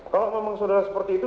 kalau memang saudara seperti itu